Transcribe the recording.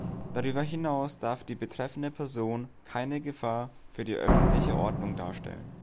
Darüber hinaus darf die betreffende Person keine Gefahr für die öffentliche Ordnung darstellen.